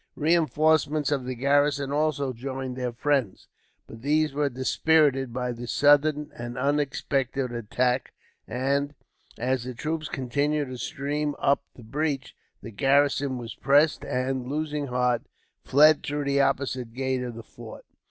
Reinforcements of the garrison also joined their friends, but these were dispirited by the sudden and unexpected attack; and, as the troops continued to stream up the breach, the garrison were pressed; and, losing heart, fled through the opposite gate of the fort.